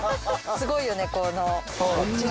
すごいよね！